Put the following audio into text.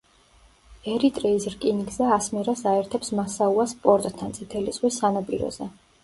ერიტრეის რკინიგზა ასმერას აერთებს მასაუას პორტთან წითელი ზღვის სანაპიროზე.